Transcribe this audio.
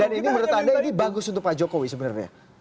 dan ini menurut anda ini bagus untuk pak jkw sebenarnya